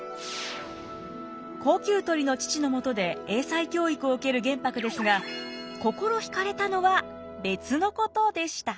高給取りの父のもとで英才教育を受ける玄白ですが心引かれたのは別のことでした。